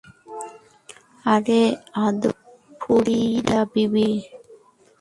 আরে আদাব ফরিদা বিবি!